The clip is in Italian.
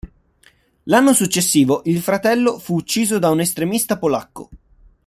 L'anno successivo il fratello fu ucciso da un estremista polacco.